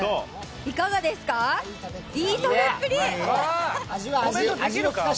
いかがですか、いい食べっぷり。